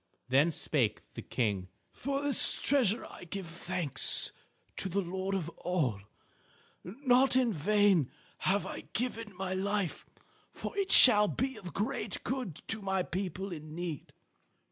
Then spake the King: "For this treasure I give thanks to the Lord of All. Not in vain have I given my life, for it shall be of great good to my people in need.